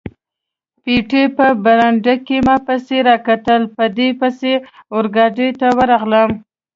پېټی په برنډه کې ما پسې را کتل، په ده پسې اورګاډي ته ورغلم.